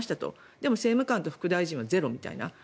でも、政務官と副大臣はゼロみたいな。